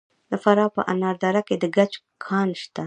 د فراه په انار دره کې د ګچ کان شته.